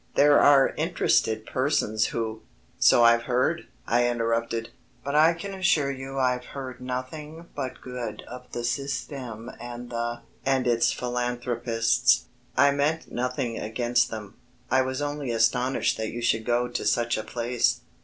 There are interested persons who...." "So I've heard," I interrupted, "but I can assure you I've heard nothing but good of the Système and the ... and its philanthropists. I meant nothing against them. I was only astonished that you should go to such a place."